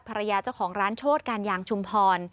ภรรยาเจ้าของร้านโชธการยางชุมพร